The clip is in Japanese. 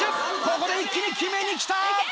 ここで一気に決めに来た！